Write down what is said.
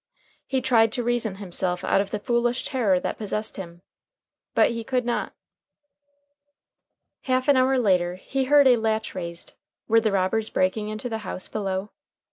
He tried to reason himself out of the foolish terror that possessed him, but he could not. Half an hour later he heard a latch raised. Were the robbers breaking into the house below?